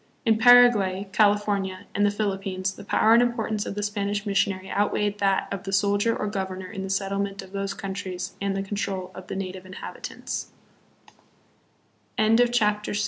In Paraguay, California, and the Philippines the power and importance of the Spanish missionary outweighed that of the soldier or governor in the settlement of those coun tries and the control of t